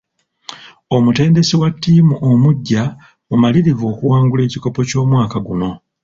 Omutendesi wa ttiimu omuggya mumalirivu okuwangula ekikopo ky'omwaka guno.